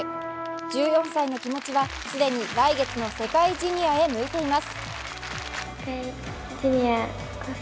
１４歳の気持ちは既に来月の世界ジュニアへ向いています。